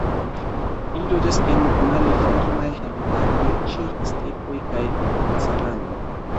Ili loĝas en malfermaj habitatoj, ĉefe stepoj kaj savanoj.